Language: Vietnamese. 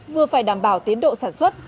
vừa phải đảm bảo tiến độ sản xuất